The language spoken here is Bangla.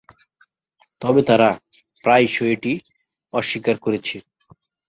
তবে তারা প্রায়শই এটি অস্বীকার করেছে।